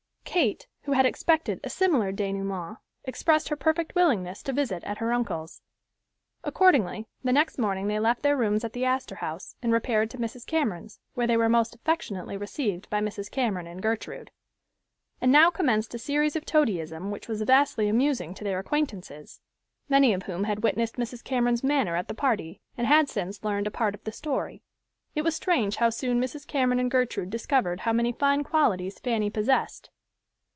Kate, who had expected a similar denouement, expressed her perfect willingness to visit at her uncle's. Accordingly, the next morning they left their rooms at the Astor House and repaired to Mrs. Cameron's, where they were most affectionately received by Mrs. Cameron and Gertrude. And now commenced a series of toadyism which was vastly amusing to their acquaintances, many of whom had witnessed Mrs. Cameron's manner at the party and had since learned a part of the story. It was strange how soon Mrs. Cameron and Gertrude discovered how many fine qualities Fanny possessed.